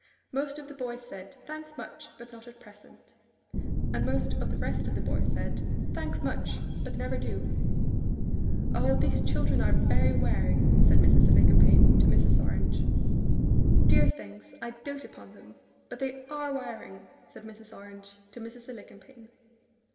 Most of the boys said, 'Thanks; much! But not at present.' And most of the rest of the boys said, 'Thanks; much! But never do.' 'O, these children are very wearing!' said Mrs. Alicumpaine to Mrs. Orange. 'Dear things! I dote upon them; but they ARE wearing,' said Mrs. Orange to Mrs. Alicumpaine.